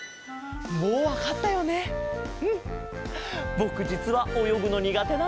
ぼくじつはおよぐのにがてなんだ。